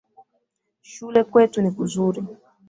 Shule kwetu ni kuzuri.